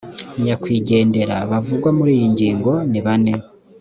nyakwigendera bavugwa muri iyi ngingo nibane